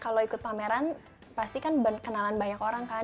kalau ikut pameran pasti kan kenalan banyak orang kan